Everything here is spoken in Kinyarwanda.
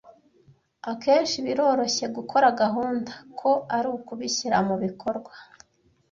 Akenshi biroroshye gukora gahunda ko ari ukubishyira mubikorwa.